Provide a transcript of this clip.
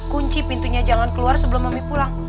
kunci pintunya jalan keluar sebelum mami pulang